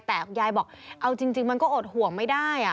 แต่คุณยายบอกเอาจริงมันก็อดห่วงไม่ได้